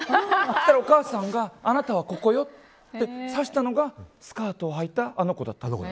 そしたら、お母さんがあなたはここよって指したのがスカートをはいたあの子だったの。